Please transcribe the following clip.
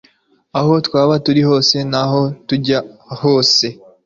Aho twaba turi hose, naho tujya hose,